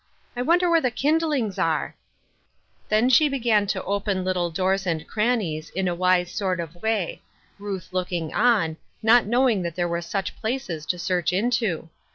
I wonder where the l^indlings are ?" Then she began to open little doors and cran nies, in a wise sort of way, Ruth looking on, not knowing that there were such places to search into.